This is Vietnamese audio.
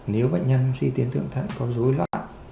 nếu bệnh nhân suy tuyến thượng thận có dối loạn